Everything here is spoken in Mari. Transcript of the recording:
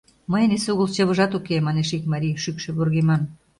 Мыйын эсогыл чывыжат уке... — манеш ик марий, шӱкшӧ вургеман.